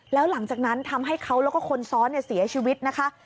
แล้วหลังจากนั้นทำให้เขาแล้วก็คนซ้อนเสียชีวิตนะคะ